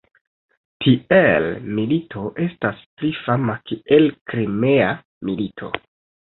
Tiel milito estas pli fama kiel Krimea milito.